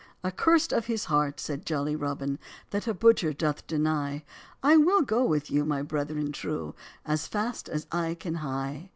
"Accurst of his heart," said jolly Robin, "That a butcher doth deny; I will go with you, my brethren true, As fast as I can hie."